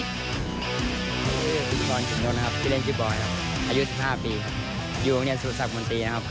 ชื่อบอลจิบนวลที่เล่นจิบบอลอายุ๑๕ปีอยู่บริเวณสูตรศักดิ์มนตรี